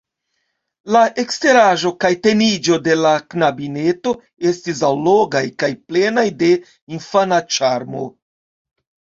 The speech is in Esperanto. La eksteraĵo kaj teniĝo de la knabineto estis allogaj kaj plenaj de infana ĉarmo.